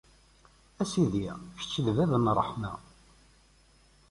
A Sidi, kečč d bab n ṛṛeḥma!